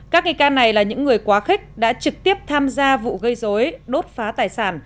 các nghi can này là những người quá khích đã trực tiếp tham gia vụ gây dối đốt phá tài sản